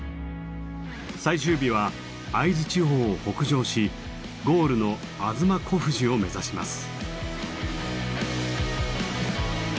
最終日は会津地方を北上しゴールの吾妻小富士を目指します。